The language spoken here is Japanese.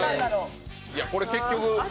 これ、結局？